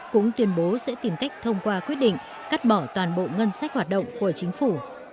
cũng tuyên bố sẽ tìm cách thông qua quyết định cắt bỏ toàn bộ ngân sách hoạt động của chính phủ